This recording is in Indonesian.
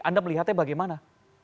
anda melihatnya bagaimana